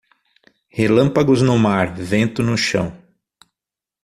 Relâmpagos no mar, vento no chão.